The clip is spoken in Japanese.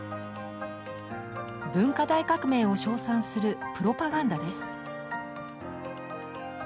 文化大革命を称賛するプロパガンダです。